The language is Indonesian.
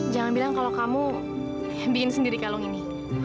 jangan bilang kalau kamu bikin sendiri kalung ini